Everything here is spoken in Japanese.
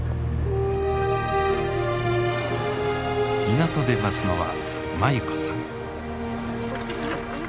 港で待つのは眞優子さん。